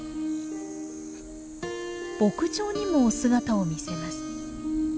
牧場にも姿を見せます。